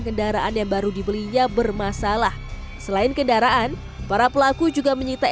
kendaraan yang baru dibeli ya bermasalah selain kendaraan para pelaku juga menyita